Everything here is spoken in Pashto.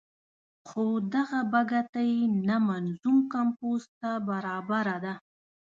خو دغه بګتۍ نه منظوم کمپوز ته برابره ده.